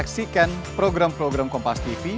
karena tidak mungkin dia membawa ban itu